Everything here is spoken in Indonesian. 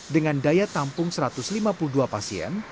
dengan daya tampung satu ratus lima puluh dua pasien